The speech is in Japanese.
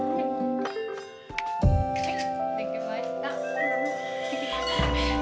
はいできました。